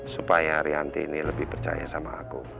supaya arianti ini lebih percaya sama aku